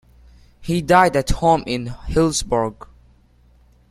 He died at home in Hillsborough.